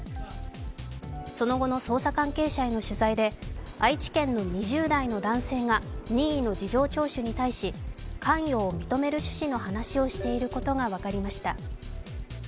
その後の捜査関係者への取材で愛知県の２０代の男性が任意の事情聴取に対し、関与を認める趣旨の話をしていることが分かりました。